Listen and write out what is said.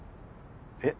えっ？